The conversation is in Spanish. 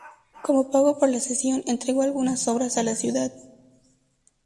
Como pago por la cesión, entregó algunas obras a la ciudad.